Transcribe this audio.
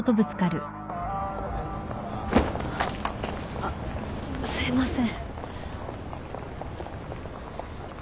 あっすいません。